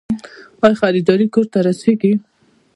آیا خریداري کور ته رسیږي؟